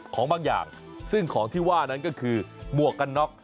ของบางอย่างซึ่งของที่ว่านั้นก็คือหมวกกันน็อก